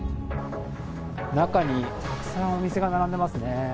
中にたくさんお店が並んでますね。